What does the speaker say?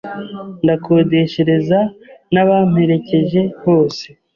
nkakodeshereza n’abamperekeje bose